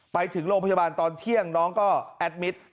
ไปถึงโรงพยาบาลตอนเที่ยงน้องก็แอดมิตร